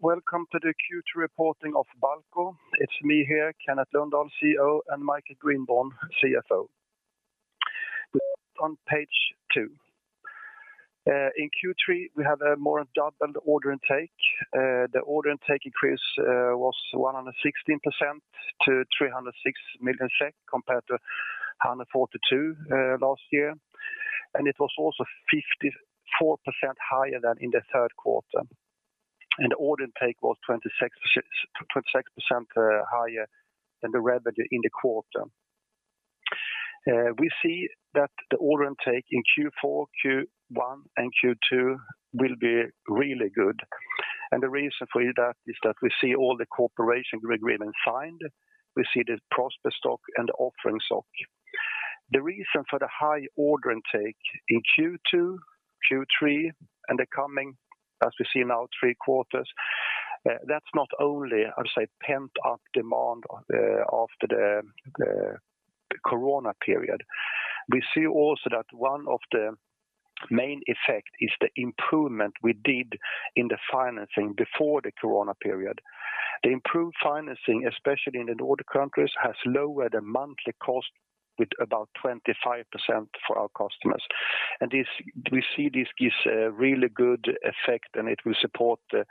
Welcome to the Q2 reporting of Balco. It's me here, Kenneth Lundahl, CEO, and Michael Grindborn, CFO. We're on page two. In Q3, we have more than doubled order intake. The order intake increase was 116% to 306 million SEK compared to 142 last year. It was also 54% higher than in the third quarter. Order intake was 26% higher than the revenue in the quarter. We see that the order intake in Q4, Q1, and Q2 will be really good. The reason for that is that we see all the cooperation agreement signed. We see the prospectus and the offering stock. The reason for the high order intake in Q2, Q3, and the coming, as we see now, three quarters, that's not only, I'll say, pent-up demand after the corona period. We see also that one of the main effect is the improvement we did in the financing before the corona period. The improved financing, especially in the Nordic countries, has lowered the monthly cost with about 25% for our customers. This gives a really good effect, and it will support the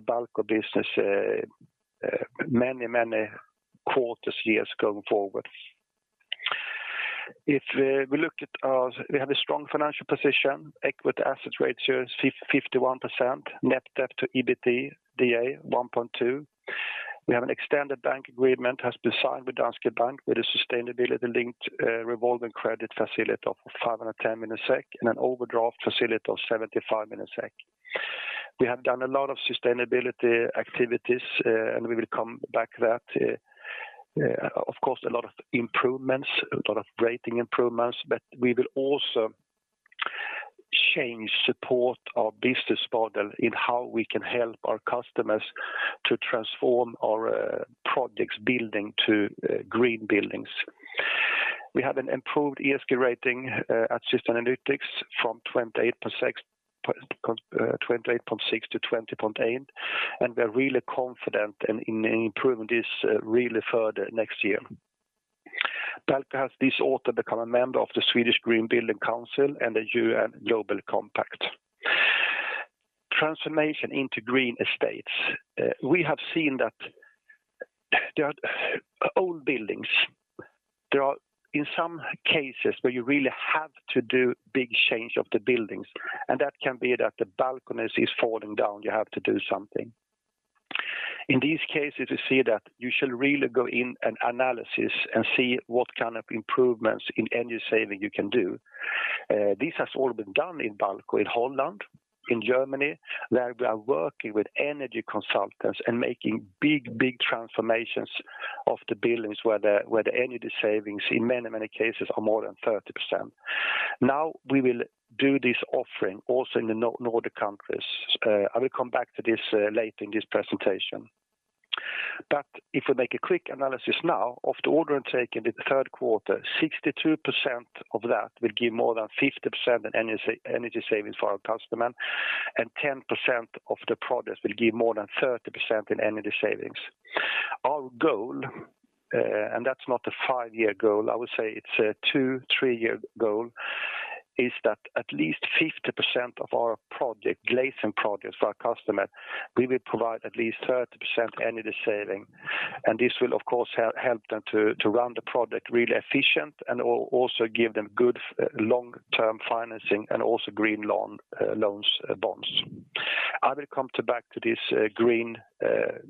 Balco business many, many quarters, years going forward. We have a strong financial position. Equity to asset ratio is 51%. Net debt to EBITDA, 1.2. We have an extended bank agreement has been signed with Danske Bank with a sustainability-linked revolving credit facility of 510 million SEK and an overdraft facility of 75 million SEK. We have done a lot of sustainability activities, and we will come back to that. Of course, a lot of improvements, a lot of rating improvements, but we will also change and support our business model in how we can help our customers to transform our project buildings to green buildings. We have an improved ESG rating at Sustainalytics from 28.6 to 20.8, and we are really confident in improving this really further next year. Balco has this autumn become a member of the Swedish Green Building Council and the UN Global Compact. Transformation into green estates. We have seen that there are old buildings. There are in some cases where you really have to do big change of the buildings, and that can be that the balcony is falling down, you have to do something. In these cases, you see that you should really go in and analyze and see what kind of improvements in energy saving you can do. This has all been done in Balco, in Holland, in Germany, where we are working with energy consultants and making big transformations of the buildings where the energy savings in many cases are more than 30%. Now we will do this offering also in the Nordic countries. I will come back to this later in this presentation. If we make a quick analysis now of the order intake in the third quarter, 62% of that will give more than 50% in energy savings for our customer, and 10% of the projects will give more than 30% in energy savings. Our goal, and that's not a 5-year goal, I would say it's a 2-3-year goal, is that at least 50% of our project glazing projects for our customer, we will provide at least 30% energy saving. This will of course help them to run the project really efficient and also give them good long-term financing and also green loans, bonds. I will come back to this green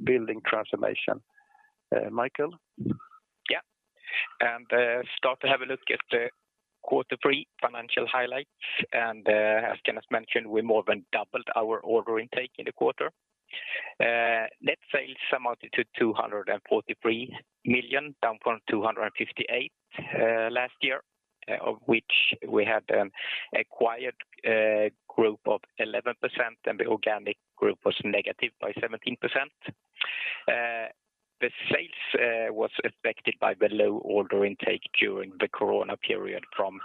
building transformation. Michael? Yeah. Start to have a look at Q3 financial highlights. As Kenneth mentioned, we more than doubled our order intake in the quarter. Net sales amounted to 243 million, down from 258 million last year, of which we had acquired growth of 11%, and the organic growth was negative by 17%. The sales was affected by the low order intake during the corona period from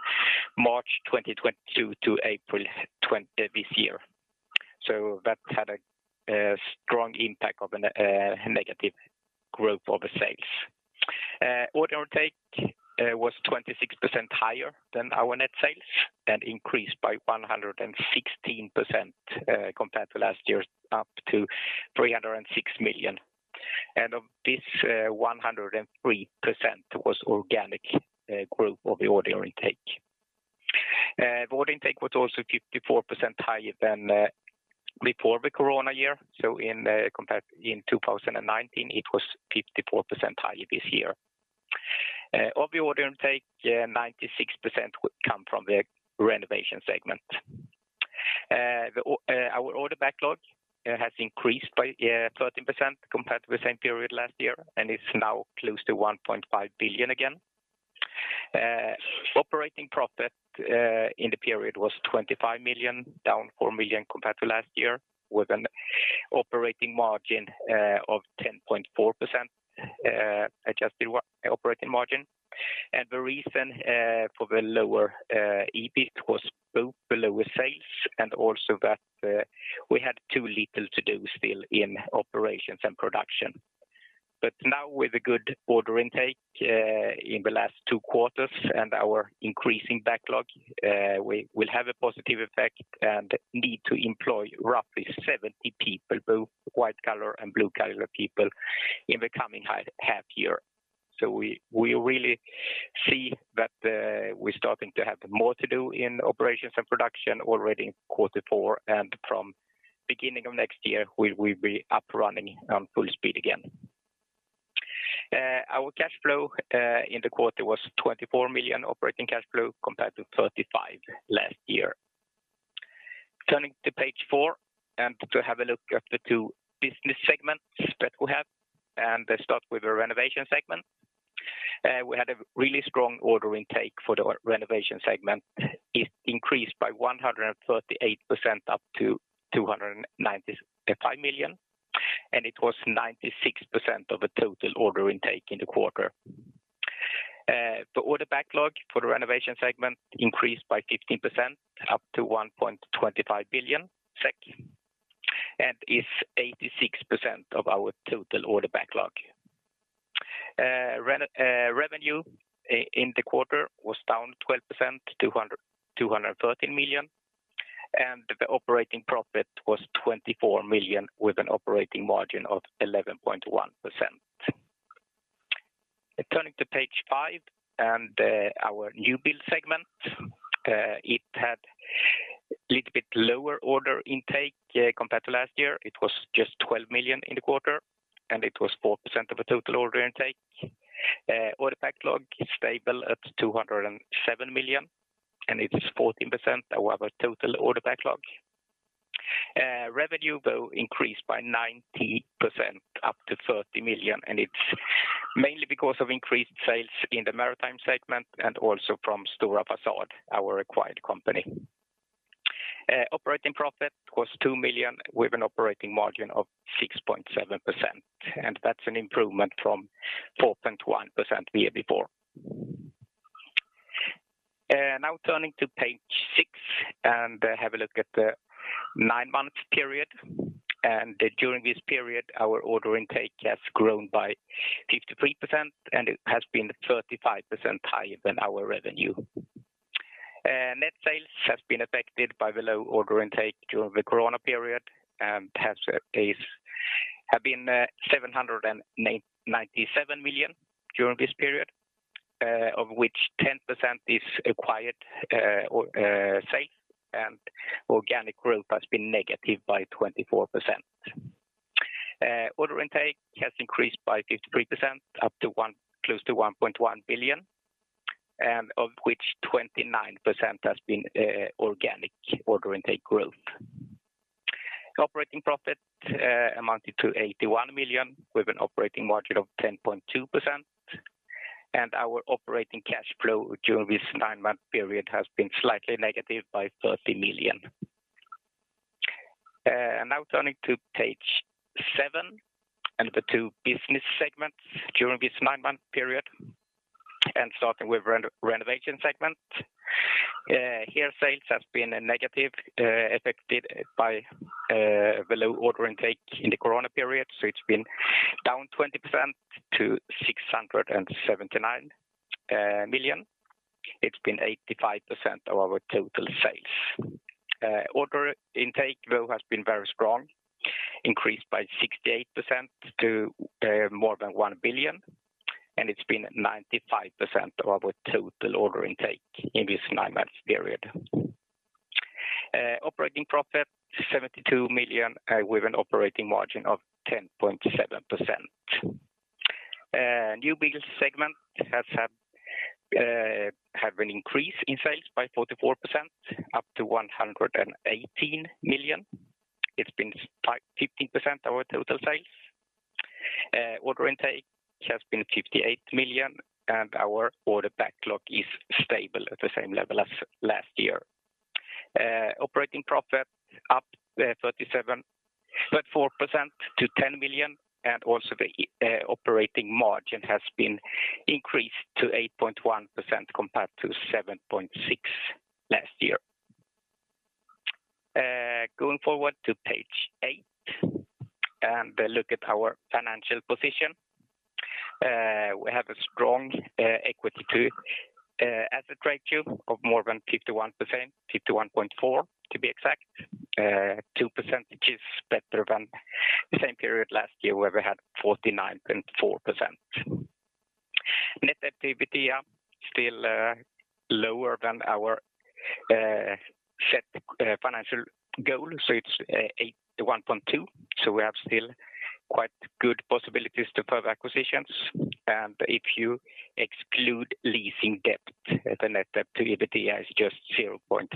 March 2022 to April this year. That had a strong impact of negative growth of the sales. Order intake was 26% higher than our net sales and increased by 116% compared to last year up to 306 million. Of this, 103% was organic growth of the order intake. The order intake was also 54% higher than before the corona year. Compared to 2019, it was 54% higher this year. Of the order intake, 96% come from the renovation segment. Our order backlog has increased by 13% compared to the same period last year and is now close to 1.5 billion again. Operating profit in the period was 25 million, down 4 million compared to last year, with an operating margin of 10.4%, adjusted operating margin. The reason for the lower EBIT was both lower sales and also that we had too little to do still in operations and production. Now with a good order intake in the last two quarters and our increasing backlog, we will have a positive effect and need to employ roughly 70 people, both white collar and blue collar people in the coming half year. We really see that we're starting to have more to do in operations and production already in quarter four, and from beginning of next year, we'll be up and running on full speed again. Our cash flow in the quarter was 24 million operating cash flow compared to 35 million last year. Turning to page four to have a look at the two business segments that we have. They start with the Renovation segment. We had a really strong order intake for the Renovation segment. It increased by 138% to 295 million, and it was 96% of the total order intake in the quarter. The order backlog for the Renovation segment increased by 15% to 1.25 billion, and is 86% of our total order backlog. Revenue in the quarter was down 12% to 213 million, and the operating profit was 24 million with an operating margin of 11.1%. Turning to page five and, our new build segment, it had little bit lower order intake, compared to last year. It was just 12 million in the quarter, and it was 4% of the total order intake. Order backlog is stable at 207 million, and it is 14% of our total order backlog. Revenue though increased by 90% up to 30 million, and it's mainly because of increased sales in the maritime segment and also from Stora Fasad, our acquired company. Operating profit was 2 million with an operating margin of 6.7%, and that's an improvement from 4.1% the year before. Now turning to page six and have a look at the nine-month period. During this period, our order intake has grown by 53%, and it has been 35% higher than our revenue. Net sales has been affected by the low order intake during the COVID period and has been 797 million during this period, of which 10% is acquired sales and organic growth has been negative by 24%. Order intake has increased by 53% up to close to 1.1 billion, and of which 29% has been organic order intake growth. Operating profit amounted to 81 million with an operating margin of 10.2%. Our operating cash flow during this nine-month period has been slightly negative by 30 million. Now turning to page seven and the two business segments during this nine-month period, and starting with renovation segment. Here, sales has been negatively affected by the low order intake in the COVID period. It's been down 20% to 679 million. It's been 85% of our total sales. Order intake though has been very strong, increased by 68% to more than 1 billion, and it's been 95% of our total order intake in this nine-month period. Operating profit 72 million with an operating margin of 10.7%. New build segment has had an increase in sales by 44% up to 118 million. It's been fifteen percent of our total sales. Order intake has been 58 million, and our order backlog is stable at the same level as last year. Operating profit up 34% to 10 million, and also the operating margin has been increased to 8.1% compared to 7.6% last year. Going forward to page 8 and a look at our financial position. We have a strong equity to asset ratio of more than 51%, 51.4% to be exact. Two percentage points better than the same period last year where we had 49.4%. Net debt to EBITDA still lower than our set financial goal. It's 8 to 1.2. We have still quite good possibilities to further acquisitions. If you exclude leasing debt, the net debt to EBITDA is just 0.9.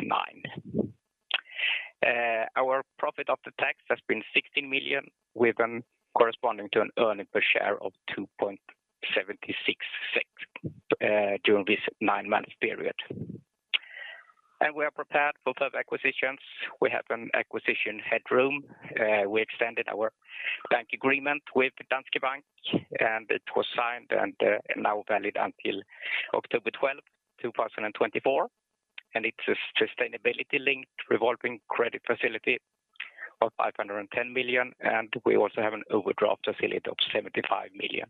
Our profit after tax has been 16 million, with a corresponding earnings per share of 2.76 SEK during this nine-month period. We are prepared for further acquisitions. We have an acquisition headroom. We extended our bank agreement with Danske Bank and it was signed and now valid until October 12, 2024. It's a sustainability-linked revolving credit facility of 510 million, and we also have an overdraft facility of 75 million.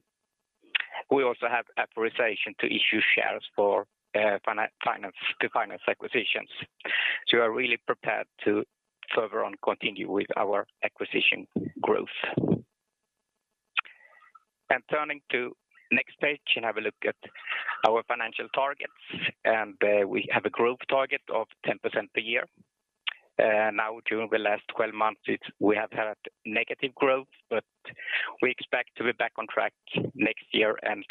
We also have authorization to issue shares for to finance acquisitions. We are really prepared to further on continue with our acquisition growth. Turning to next page and have a look at our financial targets. We have a growth target of 10% per year. Now during the last 12 months, we have had negative growth, but we expect to be back on track next year and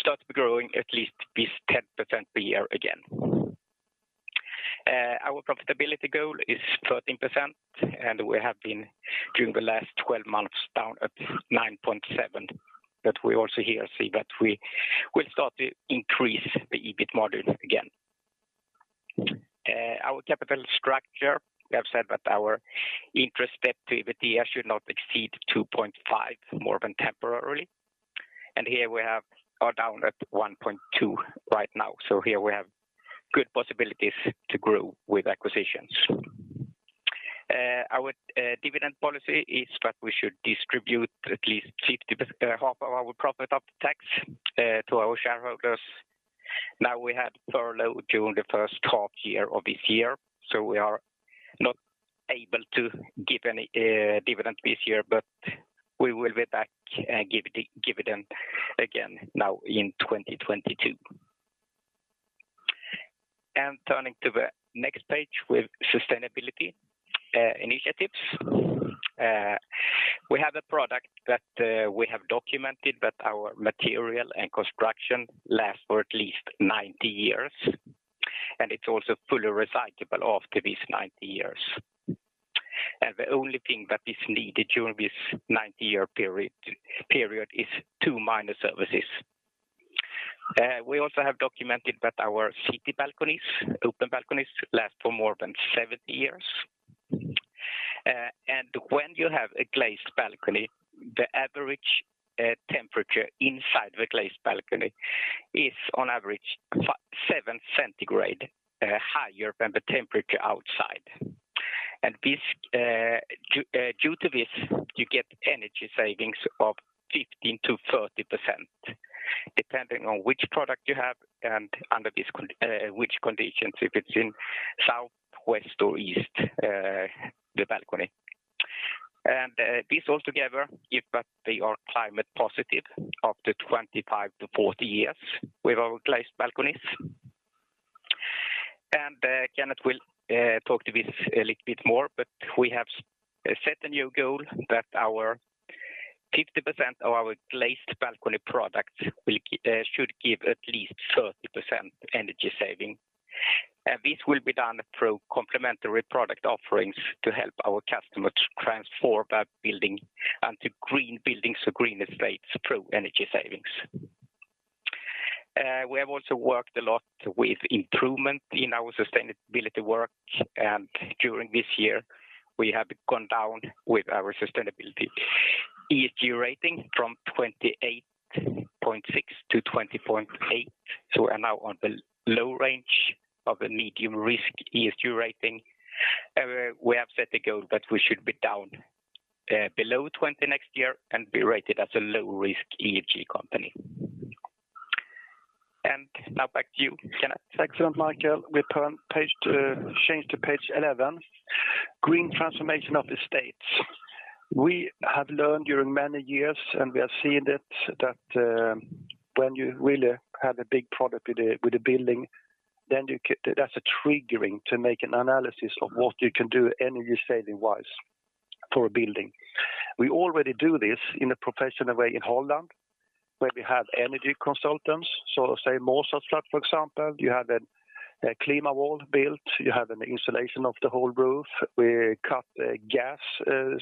start growing at least this 10% per year again. Our profitability goal is 13%, and we have been, during the last 12 months, down at 9.7%. We also here see that we will start to increase the EBIT margin again. Our capital structure, we have said that our interest activity should not exceed 2.5 more than temporarily. Here we are down at 1.2 right now. Here we have good possibilities to grow with acquisitions. Our dividend policy is that we should distribute at least half of our profit after tax to our shareholders. Now we had furlough during the first half year of this year, so we are not able to give any dividend this year, but we will be back, give dividend again now in 2022. Turning to the next page with sustainability initiatives. We have a product that we have documented that our material and construction lasts for at least 90 years, and it's also fully recyclable after these 90 years. The only thing that is needed during this 90-year period is 2 minor services. We also have documented that our City balconies, open balconies, last for more than 70 years. When you have a glazed balcony, the average temperature inside the glazed balcony is on average 17 centigrade higher than the temperature outside. Due to this, you get energy savings of 15%-30%, depending on which product you have and under which conditions, if it's in south, west or east, the balcony. This all together give that they are climate positive after 25-40 years with our glazed balconies. Kenneth will talk to this a little bit more, but we have set a new goal that 50% of our glazed balcony products should give at least 30% energy saving. This will be done through complementary product offerings to help our customers transform their building into green buildings or green estates through energy savings. We have also worked a lot with improvement in our sustainability work, and during this year we have gone down with our sustainability ESG rating from 28.6 to 20.8, so we're now on the low range of a medium risk ESG rating. We have set a goal that we should be down below 20 next year and be rated as a low-risk ESG company. Now back to you, Kenneth. Excellent, Michael. We change to page eleven. Green transformation of estates. We have learned during many years, and we have seen it, that when you really have a big project with a building, then that's a triggering to make an analysis of what you can do energy-saving wise for a building. We already do this in a professional way in Holland, where we have energy consultants. Say, Morses Flat for example, you have a Climate Wall built, you have an insulation of the whole roof. We cut the gas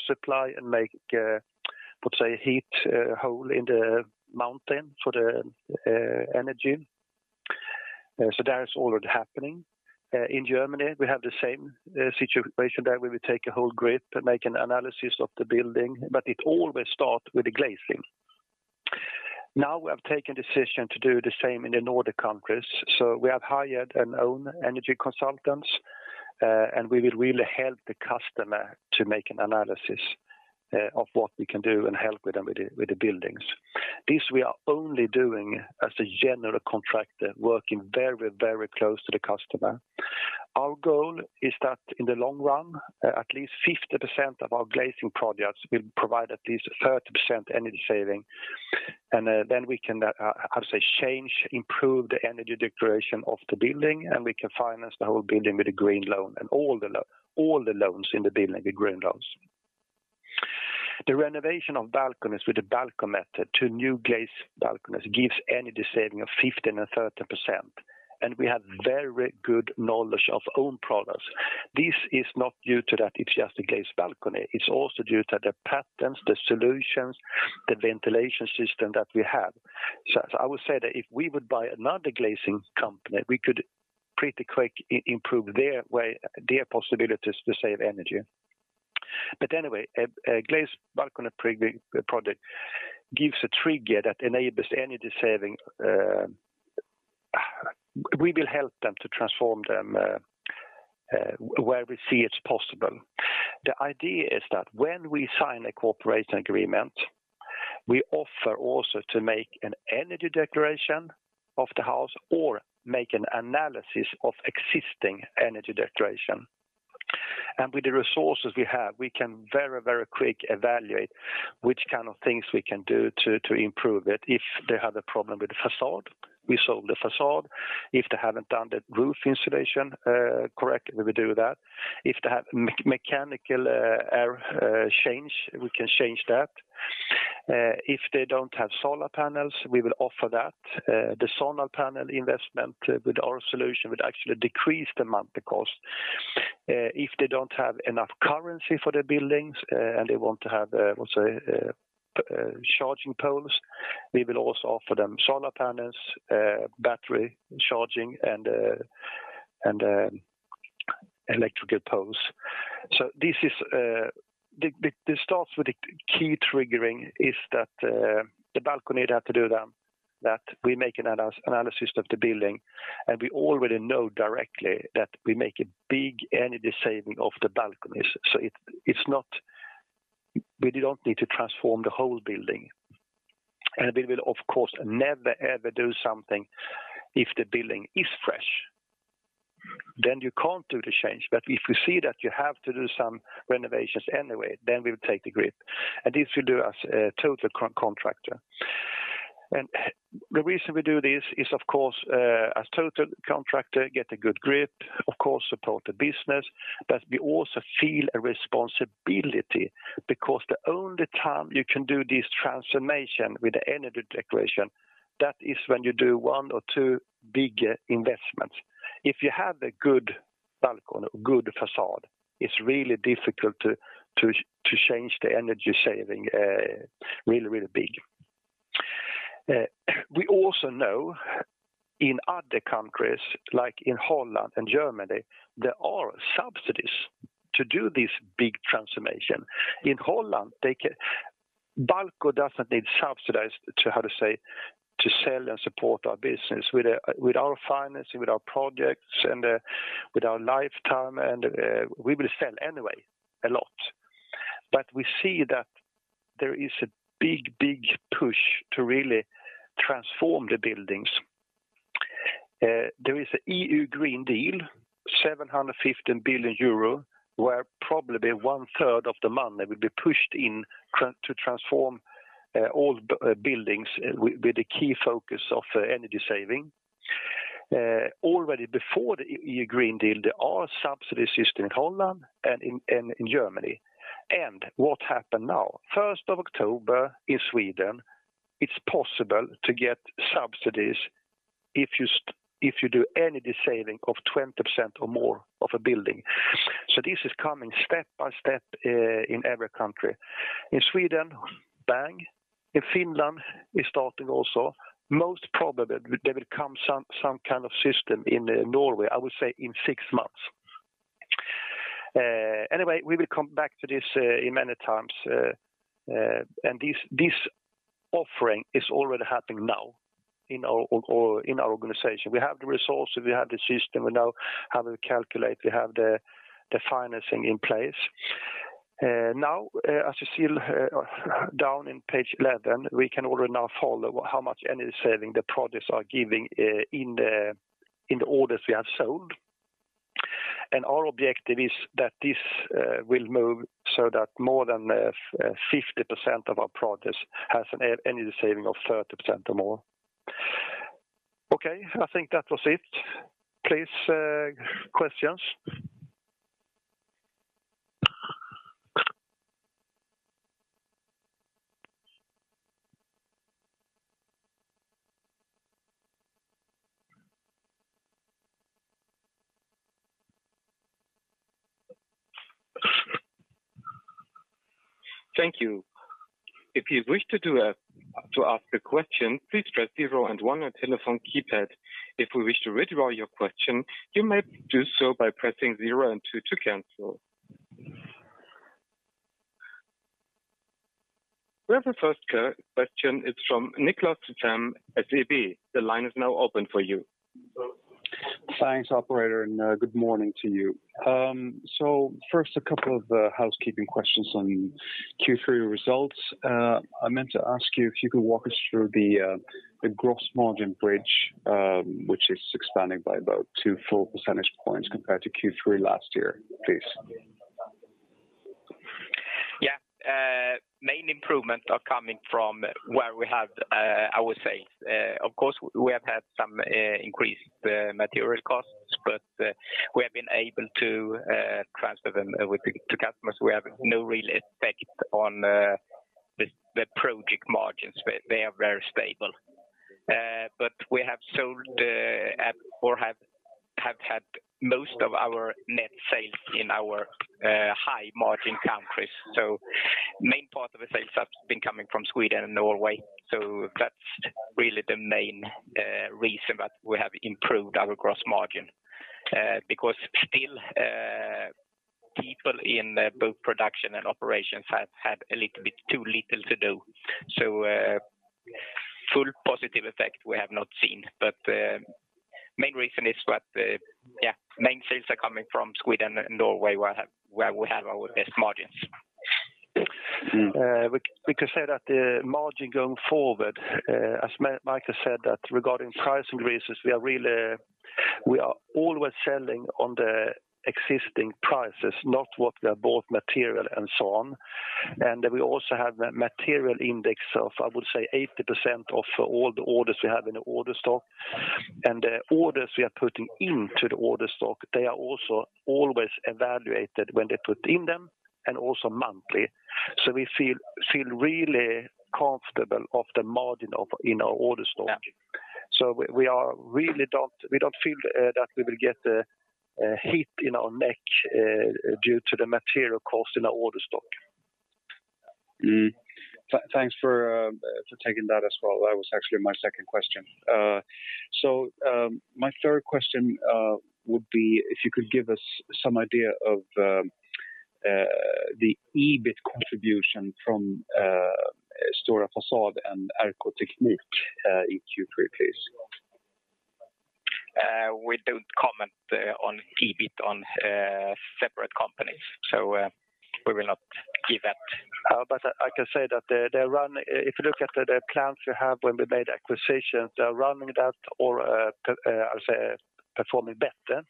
supply and make, let's say, a borehole in the mountain for the energy. That is already happening. In Germany, we have the same situation there, where we take a whole grid, make an analysis of the building, but it always start with the glazing. Now we have taken decision to do the same in the Northern countries. We have hired our own energy consultants, and we will really help the customer to make an analysis of what we can do and help them with the buildings. This we are only doing as a general contractor working very, very close to the customer. Our goal is that in the long run, at least 50% of our glazing projects will provide at least 30% energy saving. We can change, improve the energy declaration of the building, and we can finance the whole building with a green loan, and all the loans in the building be green loans. The renovation of balconies with the Balco method to new glazed balconies gives energy saving of 15%-30%, and we have very good knowledge of own products. This is not due to that it's just a glazed balcony. It's also due to the patents, the solutions, the ventilation system that we have. I would say that if we would buy another glazing company, we could pretty quick improve their possibilities to save energy. Anyway, glazed balcony project gives a trigger that enables energy saving. We will help them to transform them where we see it's possible. The idea is that when we sign a cooperation agreement, we offer also to make an energy declaration of the house or make an analysis of existing energy declaration. With the resources we have, we can very, very quick evaluate which kind of things we can do to improve it. If they have a problem with the facade, we solve the facade. If they haven't done the roof insulation correctly, we will do that. If they have mechanical air change, we can change that. If they don't have solar panels, we will offer that. The solar panel investment with our solution would actually decrease the monthly cost. If they don't have enough current for the buildings, and they want to have, let's say, charging poles, we will also offer them solar panels, battery charging, and electrical poles. This is the this starts with the key triggering is that the balcony that had to do them that we make an analysis of the building. We already know directly that we make a big energy saving of the balconies. It it's not. We don't need to transform the whole building. We will, of course, never, ever do something if the building is fresh. You can't do the change. If we see that you have to do some renovations anyway, then we will take the grip. This will do as a total contractor. The reason we do this is, of course, as total contractor, get a good grip, of course, support the business. But we also feel a responsibility because the only time you can do this transformation with the energy declaration, that is when you do one or two big investments. If you have a good balcony, good facade, it's really difficult to change the energy saving really big. We also know in other countries, like in Holland and Germany, there are subsidies to do this big transformation. In Holland, they can. Balco doesn't need subsidies to, how to say, to sell and support our business. With our financing, with our projects, and with our lifetime, and we will sell anyway a lot. But we see that there is a big push to really transform the buildings. There is a European Green Deal, 715 billion euro, where probably one-third of the money will be pushed in to transform old buildings with the key focus of energy saving. Already before the European Green Deal, there are subsidy systems in Holland and in Germany. What happened now, first of October in Sweden, it's possible to get subsidies if you do energy saving of 20% or more of a building. This is coming step by step in every country. In Sweden, bang. In Finland, we started also. Most probably, there will come some kind of system in Norway, I would say in six months. Anyway, we will come back to this in many times. This offering is already happening now in our or in our organization. We have the resources, we have the system, we know how to calculate, we have the financing in place. Now, as you see, down in page 11, we can already now follow how much energy saving the projects are giving in the orders we have sold. Our objective is that this will move so that more than 50% of our projects has an energy saving of 30% or more. Okay, I think that was it. Please, questions. Thank you. If you wish to ask a question, please press zero and one on telephone keypad. If you wish to withdraw your question, you may do so by pressing zero and two to cancel. We have the first question. It's from Nicholas Cham at ABG Sundal Collier. The line is now open for you. Thanks, operator, and good morning to you. First, a couple of housekeeping questions on Q3 results. I meant to ask you if you could walk us through the gross margin bridge, which is expanding by about two full percentage points compared to Q3 last year, please. Yeah. Main improvement are coming from where we have our sales. Of course, we have had some increased material costs, but we have been able to transfer them to customers. We have no real effect on the project margins. They are very stable. We have sold at or have, had most of our net sales in our high margin countries. Main part of the sales have been coming from Sweden and Norway. That's really the main reason that we have improved our gross margin. Because still, people in both production and operations have a little bit too little to do. Full positive effect we have not seen. Main reason is that, yeah, main sales are coming from Sweden and Norway, where we have our best margins. Mm-hmm. We could say that the margin going forward, as Michael said that regarding price increases, we are always selling on the existing prices, not what we have bought material and so on. We also have a material index of, I would say, 80% of all the orders we have in the order backlog. The orders we are putting into the order backlog, they are also always evaluated when they put in them and also monthly. We feel really comfortable of the margin of, you know, order backlog. Yeah. We don't feel that we will get the hit in our neck due to the material cost in our order backlog. Thanks for taking that as well. That was actually my second question. My third question would be if you could give us some idea of the EBIT contribution from Stora Fasad and RK Teknik in Q3, please. We don't comment on EBIT on separate companies. We will not give that. I can say that if you look at the plans we have when we made acquisitions, they are running that or, I would say, performing better.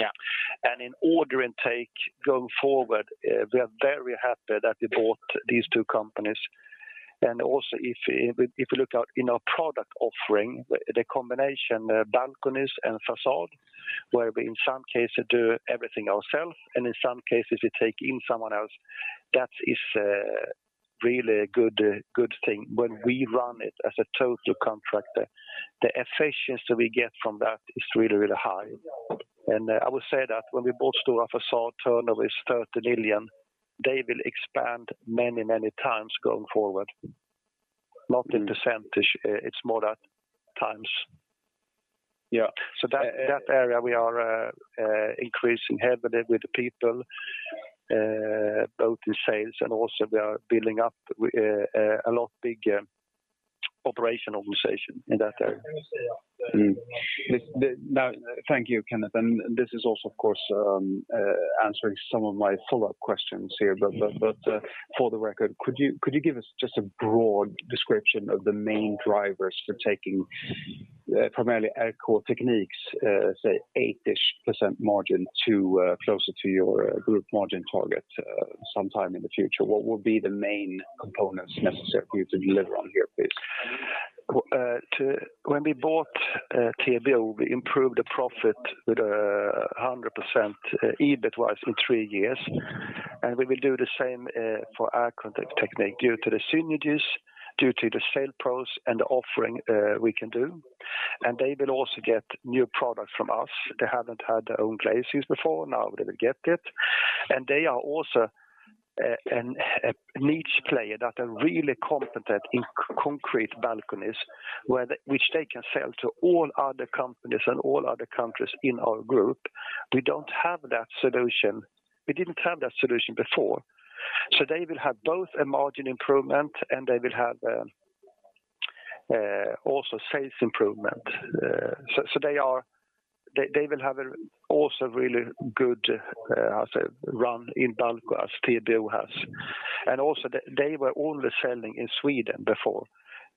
Yeah. In order intake going forward, we are very happy that we bought these two companies. Also if you look at in our product offering, the combination, balconies and facade, where we in some cases do everything ourselves and in some cases we take in someone else, that is, really a good thing. When we run it as a total contractor, the efficiency we get from that is really high. I would say that when we bought Stora Fasad turnover is 30 million, they will expand many times going forward. Not in percentage, it's more that times. Yeah. That area we are increasing heavily with the people, both in sales and also we are building up a lot big operationalization in that area. Mm-hmm. Now, thank you, Kenneth. This is also of course answering some of my follow-up questions here. But for the record, could you give us just a broad description of the main drivers for taking primarily RK Teknik's say 8%-ish margin to closer to your group margin target sometime in the future? What would be the main components necessary for you to deliver on here, please? When we bought TB, we improved the profit with 100% EBIT-wise in three years. We will do the same for RK Teknik due to the synergies, due to the sales pros and the offering we can do. They will also get new products from us. They haven't had their own glazings before, now they will get it. They are also a niche player that are really competent in concrete balconies, which they can sell to all other companies and all other countries in our group. We don't have that solution. We didn't have that solution before. They will have both a margin improvement and also sales improvement. They will have also a really good, I would say, run in Balco as TB has. Also, they were only selling in Sweden before,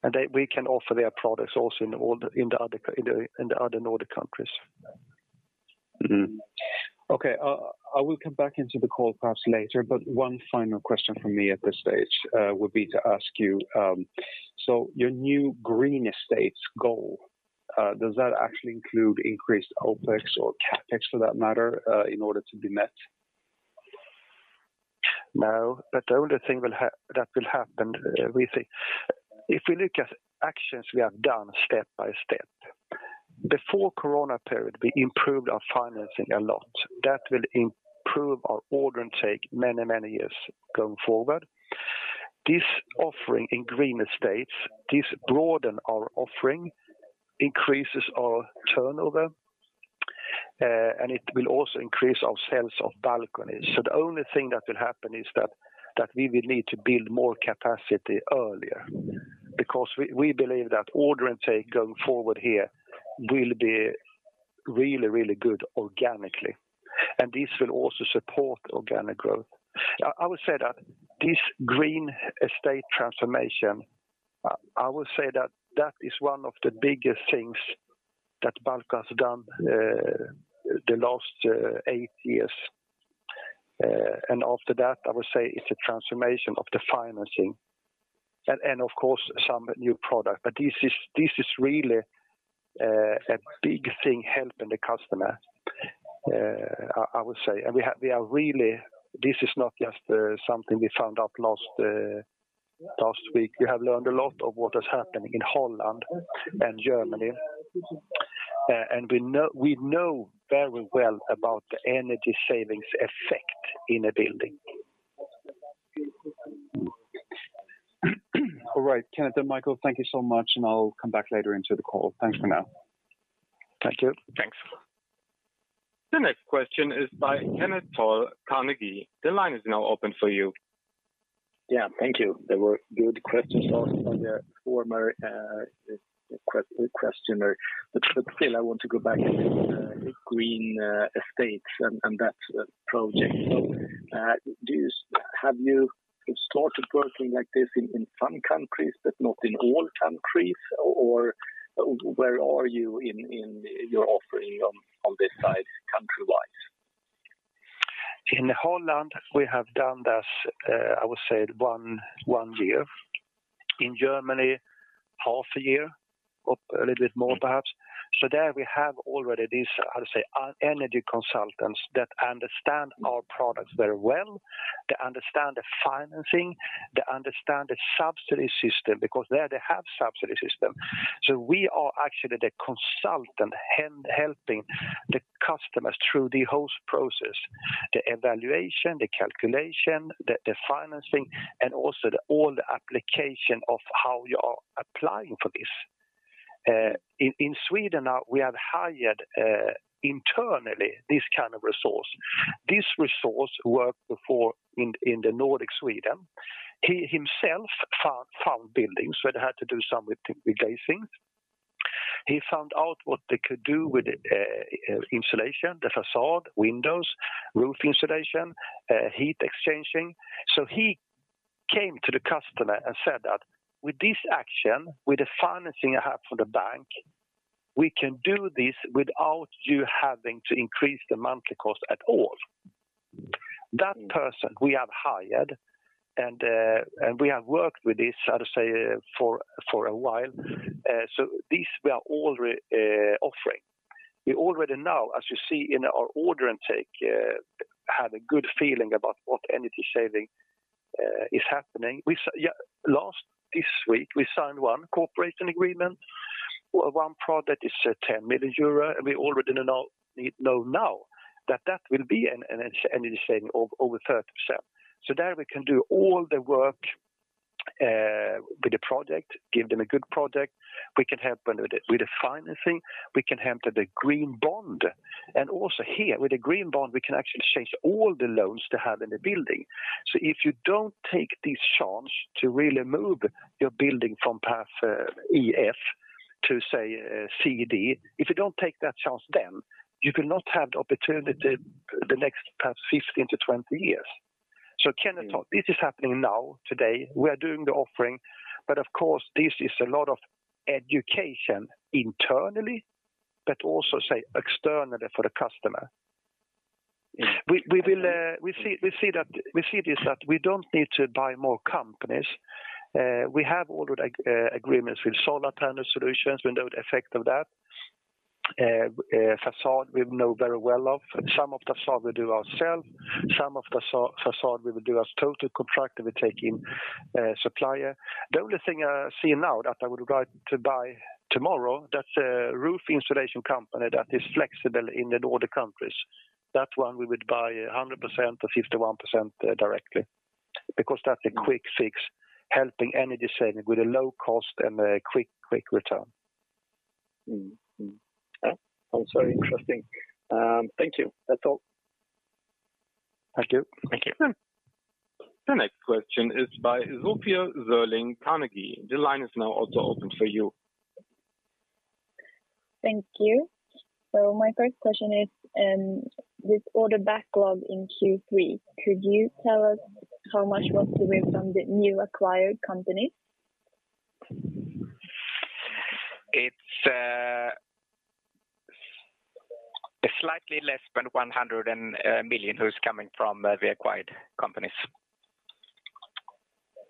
and we can offer their products also in all the other Nordic countries. Okay. I will come back into the call perhaps later, but one final question from me at this stage would be to ask you, so your new green estates goal does that actually include increased OpEx or CapEx for that matter in order to be met? No, the only thing that will happen, we think. If we look at actions we have done step by step. Before corona period, we improved our financing a lot. That will improve our order intake many, many years going forward. This offering in green estates, this broaden our offering, increases our turnover, and it will also increase our sales of balconies. The only thing that will happen is that we will need to build more capacity earlier. Because we believe that order intake going forward here will be really, really good organically. This will also support organic growth. I would say that this green estate transformation is one of the biggest things that Balco has done, the last eight years. After that, I would say it's a transformation of the financing and of course some new product. But this is really a big thing helping the customer, I would say. This is not just something we found out last week, we have learned a lot of what has happened in Holland and Germany. We know very well about the energy savings effect in a building. All right. Kenneth and Michael, thank you so much, and I'll come back later into the call. Thanks for now. Thank you. Thanks. The next question is by Kenneth Toll, Carnegie. The line is now open for you. Yeah, thank you. There were good questions asked by the former questioner. Still, I want to go back into the green estates and that project. Have you started working like this in some countries but not in all countries, or where are you in your offering on this side country-wise? In Holland, we have done this, I would say one year. In Germany, half a year or a little bit more perhaps. There we have already these, how to say, energy consultants that understand our products very well. They understand the financing, they understand the subsidy system because there they have subsidy system. We are actually the consultants helping the customers through the whole process, the evaluation, the calculation, the financing, and also all the application of how you are applying for this. In Sweden now we have hired internally this kind of resource. This resource worked before in the Nordic Sweden. He himself found buildings that had to do something with glazing. He found out what they could do with it, insulation, the facade, windows, roof insulation, heat exchanging. He came to the customer and said that with this action, with the financing I have from the bank, we can do this without you having to increase the monthly cost at all. That person we have hired and we have worked with this for a while. This we are already offering. We already know, as you see in our order intake, have a good feeling about what energy saving is happening. This week, we signed one cooperation agreement. One product is 10 million euro, and we already know now that that will be an energy saving of over 30%. There we can do all the work with the project, give them a good project. We can help them with the financing. We can help with the green bond. Also here, with the green bond, we can actually change all the loans they have in the building. If you don't take this chance to really move your building from class E, F to say C, D, if you don't take that chance then you will not have the opportunity the next perhaps 15-20 years. Kenneth Toll, this is happening now, today. We are doing the offering. Of course, this is a lot of education internally but also, say, externally for the customer. We will see that we don't need to buy more companies. We have cooperation agreements with solar panel solutions. We know the effect of that. Facade, we know very well of. Some of the facade we do ourselves, some of the facade we will do as total contract and we take in a supplier. The only thing I see now that I would like to buy tomorrow, that's a roof insulation company that is flexible in the Nordic countries. That one we would buy 100% or 51%, directly because that's a quick fix, helping energy saving with a low cost and a quick return. Mm-hmm. Yeah. Also interesting. Thank you. That's all. Thank you. Thank you. The next question is by Sofia Sörling, Carnegie. The line is now also open for you. Thank you. My first question is, this order backlog in Q3, could you tell us how much was from the new acquired companies? It's slightly less than 100 million, which is coming from the acquired companies.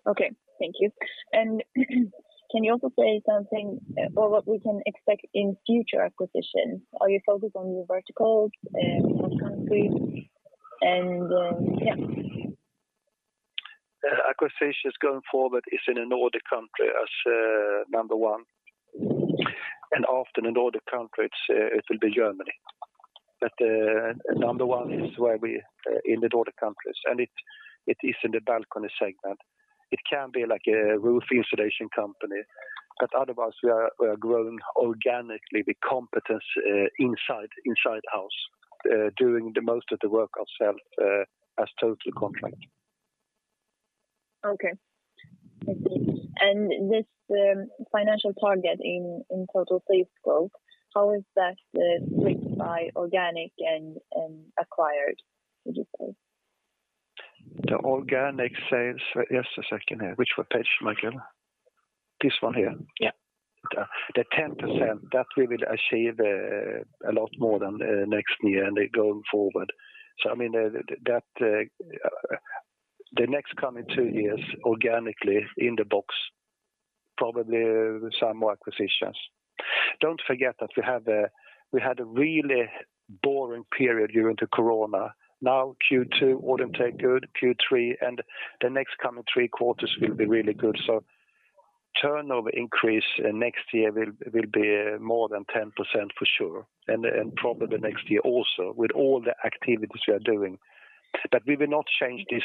Okay. Thank you. Can you also say something about what we can expect in future acquisitions? Are you focused on new verticals, what countries, and yeah. Acquisitions going forward is in the Nordic countries as number one. After the Nordic countries it will be Germany. Number one is where we are in the Nordic countries, and it is in the balcony segment. It can be like a roof insulation company, but otherwise we are growing organically with competence in-house, doing the most of the work ourselves as total contractor. Okay. Thank you. This financial target in total sales growth, how is that split by organic and acquired, would you say? Just a second here. Which page, Michael? This one here. Yeah. The 10% that we will achieve a lot more than next year and then going forward. I mean that the next coming two years organically in the backlog. Probably some more acquisitions. Don't forget that we had a really boring period during the corona. Now Q3 autumn trade good, Q3 and the next coming three quarters will be really good. Turnover increase next year will be more than 10% for sure, and probably next year also with all the activities we are doing. We will not change this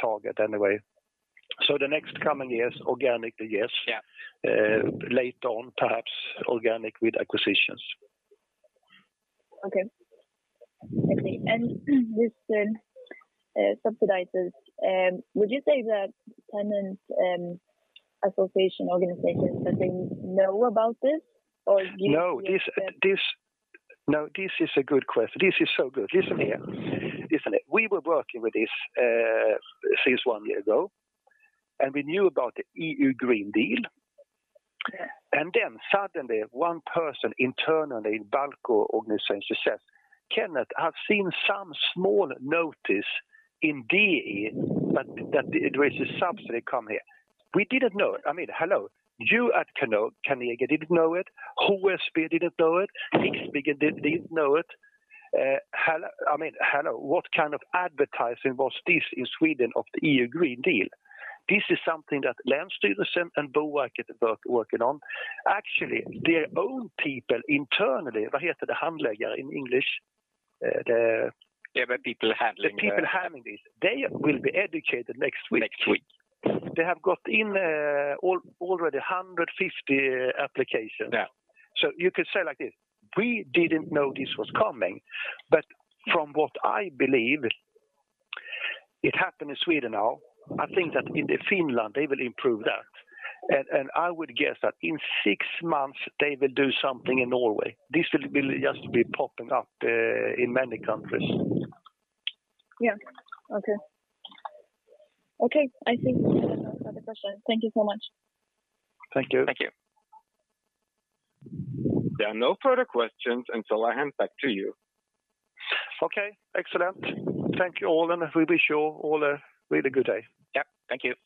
target anyway. The next coming years, organically, yes. Yeah. Later on, perhaps organic with acquisitions. Okay. I see. This subsidies, would you say that tenants association organizations, that they know about this or do you- No, this is a good question. This is so good. Listen here. Listen. We were working with this since one year ago, and we knew about the EU Green Deal. Suddenly one person internally in Balco organization says. "Kenneth, I've seen some small notice indeed that there is a subsidy come here." We didn't know. I mean, hello. You at Carnegie didn't know it. HSB didn't know it. Riksbyggen didn't know it. I mean, hello, what kind of advertising was this in Sweden of the EU Green Deal? This is something that Länsstyrelsen and Boverket working on. Actually, their own people internally, right here to the handläggare in English, the- Yeah, the people handling the- The people handling this, they will be educated next week. Next week. They have got in already 150 applications. Yeah. You could say like this, we didn't know this was coming, but from what I believe, it happened in Sweden now. I think that in Finland, they will improve that. And I would guess that in six months they will do something in Norway. This will just be popping up in many countries. Yeah. Okay. I think that is another question. Thank you so much. Thank you. Thank you. There are no further questions until I hand back to you. Okay, excellent. Thank you all, and we wish you all a really good day. Yeah, thank you.